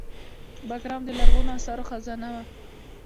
بګرام د لرغونو اثارو خزانه وه